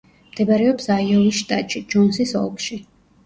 მდებარეობს აიოვის შტატში, ჯონსის ოლქში.